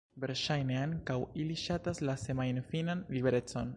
Verŝajne, ankaŭ ili ŝatas la semajnfinan liberecon.